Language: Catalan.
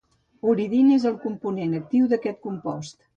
Uridine és el component actiu d'aquest compost.